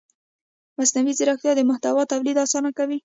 مصنوعي ځیرکتیا د محتوا تولید اسانه کوي.